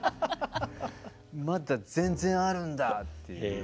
まだ全然あるんだっていう。